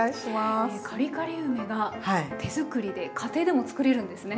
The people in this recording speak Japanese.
カリカリ梅が手作りで家庭でも作れるんですね。